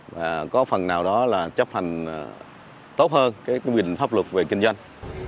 và có phần nào đó là chấp hành tốt hơn cái quy định pháp luật về kinh doanh